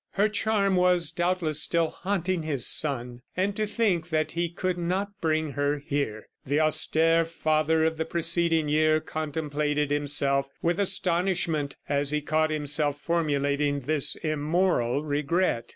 Her charm was, doubtless, still haunting his son. And to think that he could not bring her here! ... The austere father of the preceding year contemplated himself with astonishment as he caught himself formulating this immoral regret.